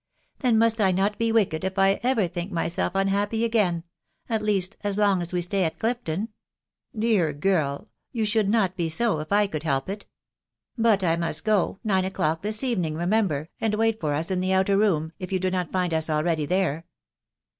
" Then must I not be wicked if I ever think myself us* happy again .... at least, as long as we stay at Clifton ? M " Dear girl !.... you should not be so, if I could help it •••• But I must go .... nine o'clock this evening, remember, and wait for us in the outer room, if you do not find us already there."